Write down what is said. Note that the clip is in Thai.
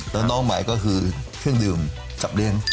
แล้วน้องใหม่ก็คือเครื่องดื่มจับเลี้ยง